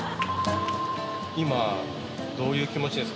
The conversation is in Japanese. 今どういう気持ちですか？